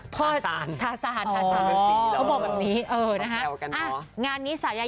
ทาสานทาสานพ่อบอกแบบนี้เออนะฮะเอางานนี้สายา